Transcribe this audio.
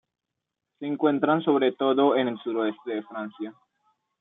Se encuentran sobre todo en el suroeste de Francia.